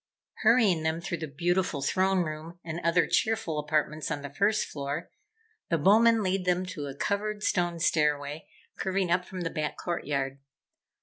Hurrying them through the beautiful throne room and other cheerful apartments on the first floor, the Bowmen lead them to a covered stone stairway curving up from the back courtyard.